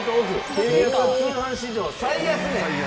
テレ朝通販史上最安値。